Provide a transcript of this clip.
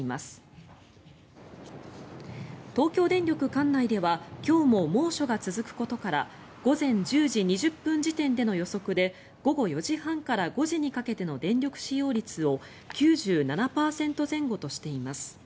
管内では今日も猛暑が続くことから午前１０時２０分時点での予測で午後４時半から５時にかけての電力使用率を９７％前後としています。